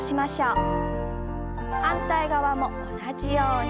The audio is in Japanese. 反対側も同じように。